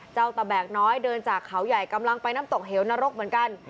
ตะแบกน้อยเดินจากเขาใหญ่กำลังไปน้ำตกเหวนรกเหมือนกัน